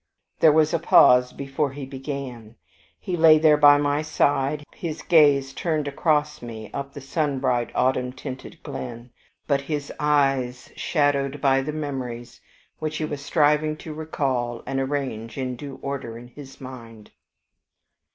There was a pause before he began. He lay there by my side, his gaze turned across me up the sunbright, autumn tinted glen, but his eyes shadowed by the memories which he was striving to recall and arrange in due order in his mind.